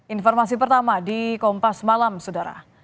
informasi pertama di kompas malam sudara